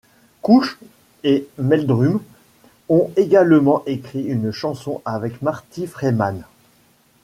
Couch et Meldrum ont également écrit une chanson avec Marty Freidman.